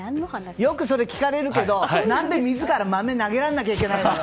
よくそれ聞かれるけど何で自ら豆を投げられなきゃいけないんだよ！